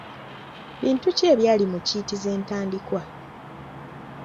Bintu ki ebyali mu kiiti z'entandikwa?